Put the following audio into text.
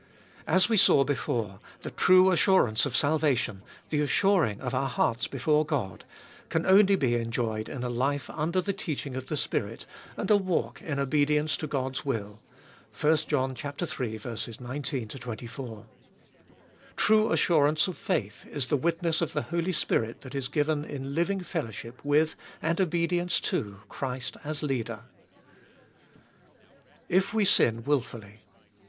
As we saw before, the true assurance of salvation, the assuring of our hearts before God, can only be enjoyed in a life under the teaching of the Spirit, TEbe ibolfest of ail 403 and a walk in obedience to God's will (i John iii. 19 24.) True assurance of faith is the witness of the Holy Spirit that is given in living fellowship with and obedience to Christ as Leader. If we sin wilfully.